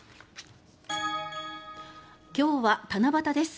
今日は七夕です。